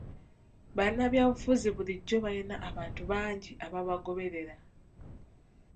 Bannabyabufuzi bulijjo bayina abantu bangi ababagoberera.